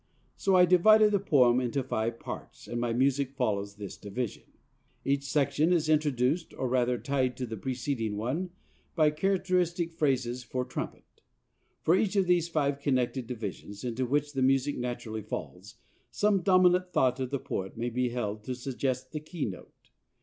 So I divided the poem into five parts, and my music follows this division. Each section is introduced, or, rather, tied to the preceding one, by characteristic phrases for trumpet." For each of these five connected divisions into which the music naturally falls, some dominant thought of the poet may be held to suggest the keynote.